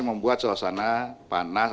membuat suasana panas